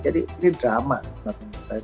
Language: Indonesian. jadi ini drama sebenarnya